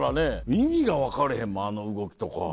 意味が分かれへんもんあの動きとか。